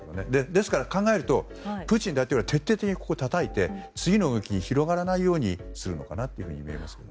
ですから、考えるとプーチン大統領は徹底的にたたいて次の動きに広がらないようにするのかなとみえますね。